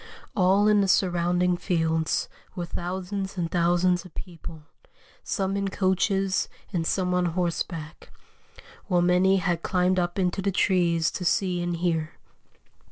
All in the surrounding fields were thousands and thousands of people, some in coaches and some on horseback, while many had climbed up into the trees to see and hear."